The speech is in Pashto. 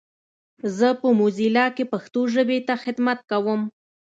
زه په موزیلا کې پښتو ژبې ته خدمت کوم.